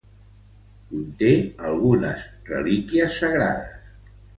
Conté algunes relíquies sagrades.